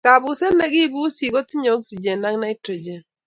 Kapuset ne kipusi ko tinyei oksijen ak naitrojen